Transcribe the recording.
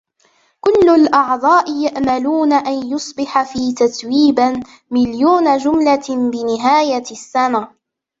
كل الأعضاء يأملون أن يصبح في تتويبا مليون جملة بنهاية السنة.